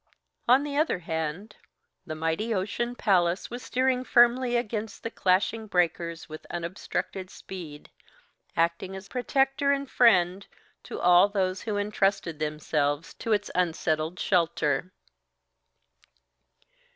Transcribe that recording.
On the other hand, the mighty ocean palace was steering firmly against the clashing breakers with unobstructed speed, acting as protector and friend to all those who entrusted themselves to its unsettled shelter.